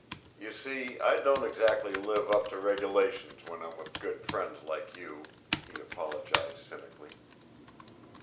"You see I don't exactly live up to regulations when I'm with good friends like you," he apologized cynically.